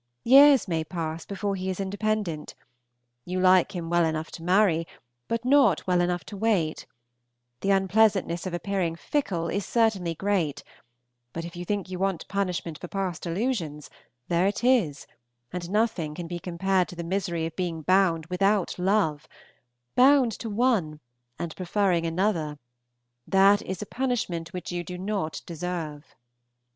Years may pass before he is independent; you like him well enough to marry, but not well enough to wait; the unpleasantness of appearing fickle is certainly great; but if you think you want punishment for past illusions, there it is, and nothing can be compared to the misery of being bound without love, bound to one, and preferring another; that is a punishment which you do not deserve.